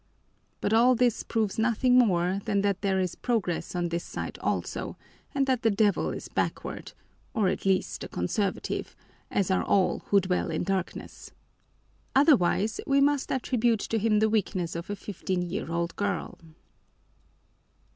But all this proves nothing more than that there is progress on this side also and that the devil is backward, or at least a conservative, as are all who dwell in darkness. Otherwise, we must attribute to him the weakness of a fifteen year old girl.